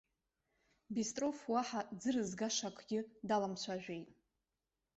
Бистров уаҳа дӡырызгашаз акгьы даламцәажәеит.